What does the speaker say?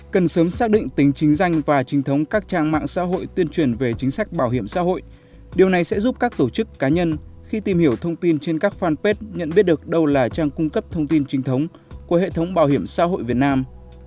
cần sớm xác định tính chính danh và chính thống các trang mạng xã hội tuyên truyền về chính sách bảo hiểm xã hội điều này sẽ giúp các tổ chức cá nhân khi tìm hiểu thông tin trên các fanpage nhận biết được đâu là trang cung cấp thông tin chính thống của hệ thống bảo hiểm xã hội việt nam